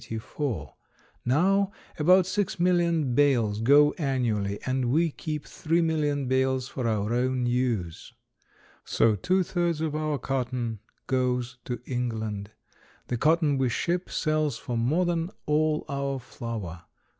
Now about six million bales go annually, and we keep three million bales for our own use. So two thirds of our cotton goes to England. The cotton we ship sells for more than all our flour.